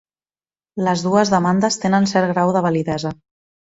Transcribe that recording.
Les dues demandes tenen cert grau de validesa.